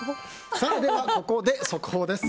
ここで速報です。